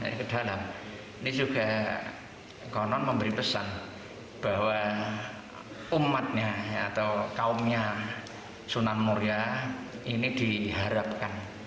ini juga konon memberi pesan bahwa umatnya atau kaumnya sunan muria ini diharapkan